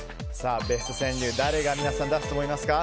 ベスト川柳誰が皆さん出すと思いますか？